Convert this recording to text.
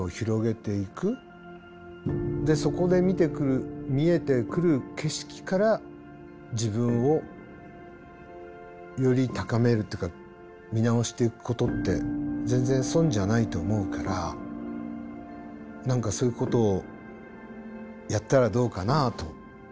でそこで見てくる見えてくる景色から自分をより高めるっていうか見直していくことって全然損じゃないと思うから何かそういうことをやったらどうかなと思います。